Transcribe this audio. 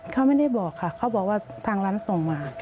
เขาไม่ได้บอกค่ะเขาบอกว่าทางร้านส่งมา